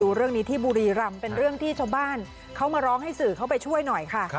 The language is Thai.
ดูเรื่องนี้ที่บุรีรำเป็นเรื่องที่ชาวบ้านเขามาร้องให้สื่อเข้าไปช่วยหน่อยค่ะ